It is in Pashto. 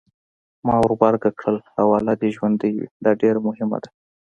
ما ورغبرګه کړل: حواله دې ژوندۍ وي! دا ډېره مهمه ده.